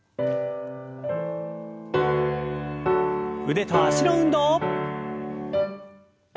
腕と脚の運動。